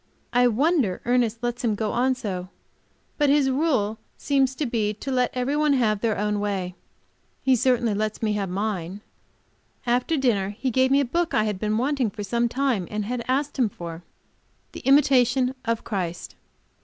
I wonder Ernest lets him go on so. But his rule seems to be to let everybody have their own way. He certainly lets me have mine. After dinner he gave me a book I have been wanting for some time, and had asked him for "The Imitation of Christ."